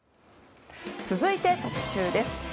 続いて特集です。